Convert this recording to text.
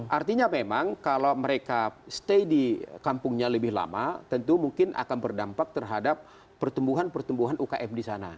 artinya memang kalau mereka stay di kampungnya lebih lama tentu mungkin akan berdampak terhadap pertumbuhan pertumbuhan ukm di sana